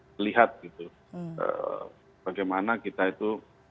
melihat gitu bagaimana kita itu